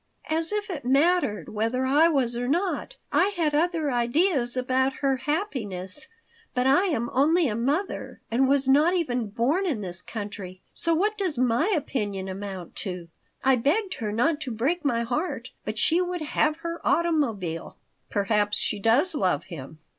"As if it mattered whether I was or not. I had other ideas about her happiness, but I am only a mother and was not even born in this country. So what does my opinion amount to? I begged her not to break my heart, but she would have her automobile." "Perhaps she does love him."